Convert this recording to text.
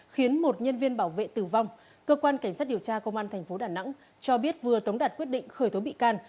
khiến một nhân viên bảo vệ tử vong cơ quan cảnh sát điều tra công an tp đà nẵng cho biết vừa tống đạt quyết định khởi tố bị can